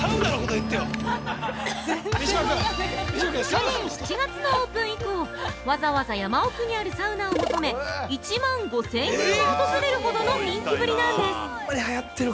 ◆去年７月のオープン以降、わざわざ山奥にあるサウナを求め、１万５０００人が訪れるほどの人気ぶりなんです！